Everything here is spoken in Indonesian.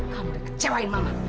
kamu udah kecewain mama